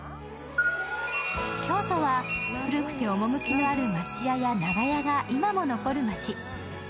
京都は古くて趣のある町家や長屋が今も残る街。